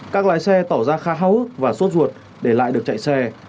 các lái xe tỏ ra khá háo ước và suốt ruột để lại được chạy xe